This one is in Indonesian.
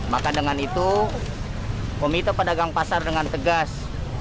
maka dengan itu komite pedagang pasar dengan tegas